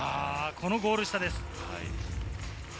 このゴール下です。